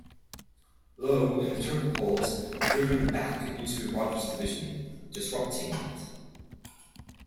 Lo and the Turcopoles were driven back into Roger's division, disrupting it.